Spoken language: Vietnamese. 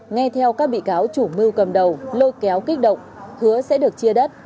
nghe theo các bị cáo chủ mưu cầm đầu lôi kéo kích động hứa sẽ được chia đất